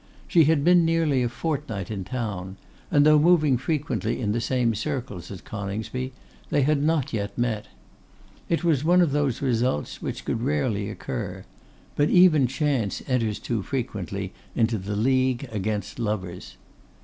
She had been nearly a fortnight in town, and though moving frequently in the same circles as Coningsby, they had not yet met. It was one of those results which could rarely occur; but even chance enters too frequently in the league against lovers.